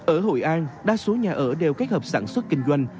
ở hội an đa số nhà ở đều kết hợp sản xuất kinh doanh